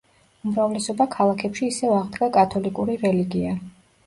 უმრავლესობა ქალაქებში ისევ აღდგა კათოლიკური რელიგია.